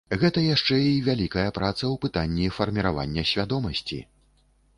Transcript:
Гэта яшчэ і вялікая праца ў пытанні фарміравання свядомасці.